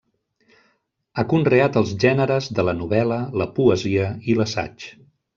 Ha conreat els gèneres de la novel·la, la poesia i l'assaig.